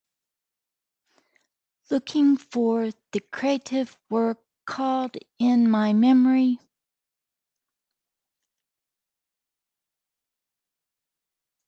Looking for the crative work called In my memory